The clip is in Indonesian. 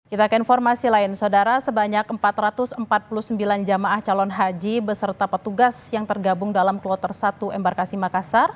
kita ke informasi lain saudara sebanyak empat ratus empat puluh sembilan jamaah calon haji beserta petugas yang tergabung dalam kloter satu embarkasi makassar